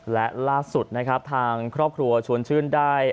และล่าสุดนะครับทางครอบครัวชวนชื่นได้